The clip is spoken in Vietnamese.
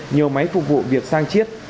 nhiều máy phục vụ việc sang chiết